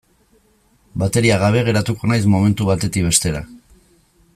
Bateria gabe geratuko naiz momentu batetik bestera.